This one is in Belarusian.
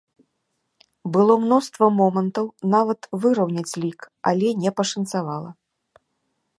Было мноства момантаў нават выраўняць лік, але не пашанцавала.